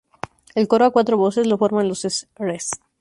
El coro a cuatro voces lo forman los Sres.